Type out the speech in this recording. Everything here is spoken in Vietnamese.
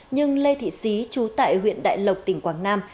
nhưng lê thị xí trú tại huyện đại lộc tỉnh quảng nam